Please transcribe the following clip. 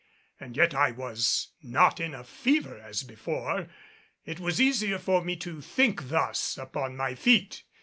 And yet I was not in a fever as before. It was easier for me to think thus upon my feet.